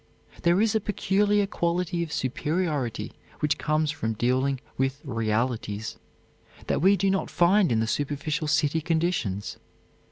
There is a peculiar quality of superiority which comes from dealing with realities that we do not find in the superficial city conditions.